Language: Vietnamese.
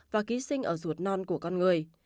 và ký sinh ở ruột non của con người